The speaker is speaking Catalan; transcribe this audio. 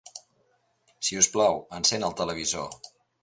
Si us plau, encén el televisor.